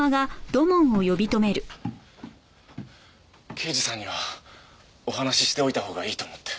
刑事さんにはお話ししておいたほうがいいと思って。